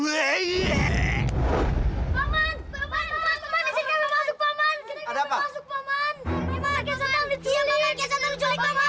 iya ya sudah